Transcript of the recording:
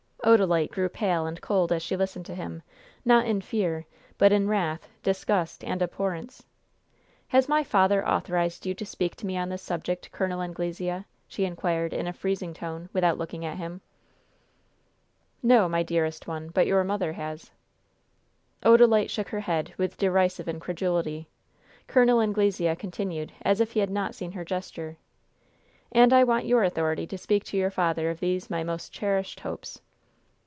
Odalite grew pale and cold as she listened to him, not in fear, but in wrath, disgust and abhorrence. "Has my father authorized you to speak to me on this subject, Col. Anglesea?" she inquired, in a freezing tone, without looking at him. "No, my dearest one; but your mother has." Odalite shook her head with derisive incredulity. Col. Anglesea continued as if he had not seen her gesture: "And I want your authority to speak to your father of these my most cherished hopes."